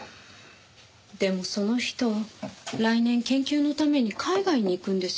でもその人来年研究のために海外に行くんですよね？